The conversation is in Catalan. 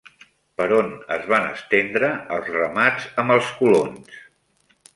Per on es van estendre els ramats amb els colons?